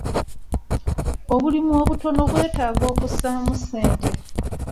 Obulimu obutono bwetaaga okussaamu ssente.